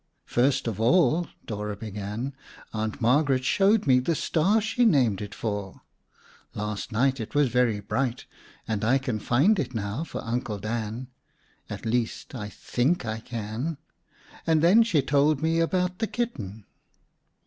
"First of all," Dora began, "Aunt Margaret showed me the star she named it for. Last night it was very bright, and I can find it now for Uncle Dan. At least, I think I can. And then she told me about the kitten.